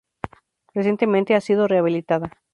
Recientemente ha sido rehabilitada.